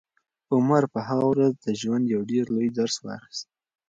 عمر په هغه ورځ د ژوند یو ډېر لوی درس واخیست.